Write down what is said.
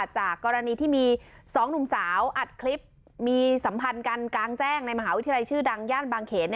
จากกรณีที่มี๒หนุ่มสาวอัดคลิปมีสัมพันธ์กันกลางแจ้งในมหาวิทยาลัยชื่อดังย่านบางเขน